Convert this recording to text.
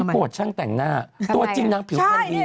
นั่งแต่งหน้าตัวจริงน้างผิวครั้งนี้